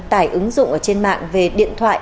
tải ứng dụng trên mạng về điện thoại